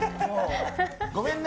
ごめんね。